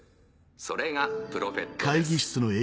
それがプロフェットです。